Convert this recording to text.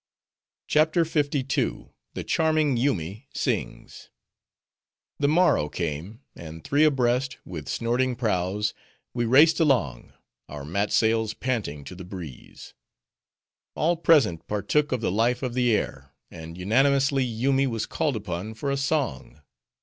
CHAPTER LII. The Charming Yoomy Sings The morrow came; and three abreast, with snorting prows, we raced along; our mat sails panting to the breeze. All present partook of the life of the air; and unanimously Yoomy was called upon for a song.